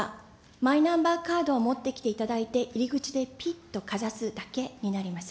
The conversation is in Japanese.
マイナンバーカードを持ってきていただいて、入り口でぴっとかざすだけになります。